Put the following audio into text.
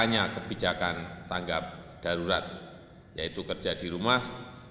untuk mengatasi kebijakan tanggap darurat yaitu kerja di rumah